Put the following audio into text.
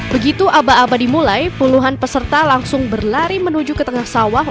begitu aba aba dimulai puluhan peserta langsung berlari menuju ke tengah sawah